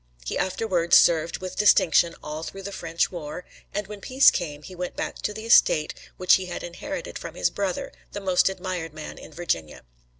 He afterwards served with distinction all through the French war, and when peace came he went back to the estate which he had inherited from his brother, the most admired man in Virginia.